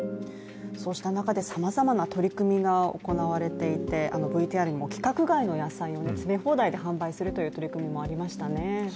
そうした中でさまざまな取り組みが行われていてＶＴＲにも規格外の野菜を詰め放題で販売するという取り組みもありましたね。